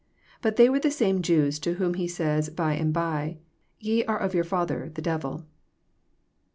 But they were the same Jews to whom He says by and by, "Ye are of your father the devil."